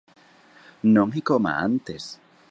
Non é coma antes.